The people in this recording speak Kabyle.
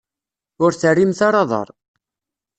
Ur terrimt ara aḍar.